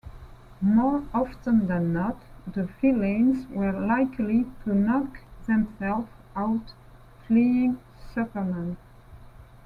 More often than not, the villains were likely to knock themselves out fleeing Superman.